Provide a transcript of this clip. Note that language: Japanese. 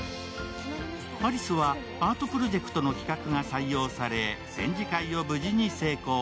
有栖はアートプロジェクトの企画が採用され展示会を無事に成功。